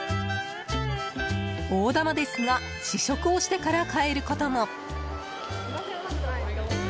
大玉ですが試食をしてから買えることも。